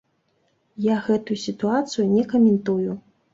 Я гэтую сітуацыю не каментую.